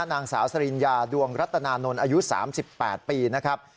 นางสาวสริญญาดวงรัตนานนท์อายุ๓๘ปีนะครับ